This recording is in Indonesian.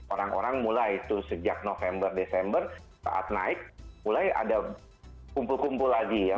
orang orang mulai itu sejak november desember saat naik mulai ada kumpul kumpul lagi ya